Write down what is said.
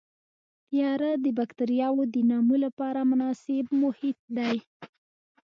تیاره د بکټریاوو د نمو لپاره مناسب محیط دی.